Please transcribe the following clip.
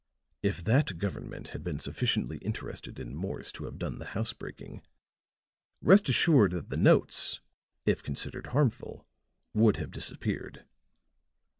If that government had been sufficiently interested in Morse to have done the housebreaking, rest assured that the notes, if considered harmful, would have disappeared."